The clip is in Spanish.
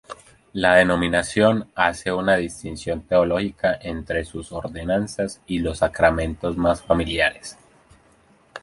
La denominación hace una distinción teológica entre sus ordenanzas y los sacramentos más familiares.